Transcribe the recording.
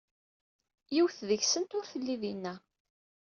Yiwet deg-sent ur telli dina.